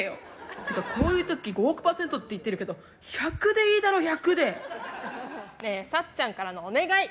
てか、いつもこういう時５億％って言ってるけど１００でいいだろ、１００でねえ、さっちゃんからのお願い。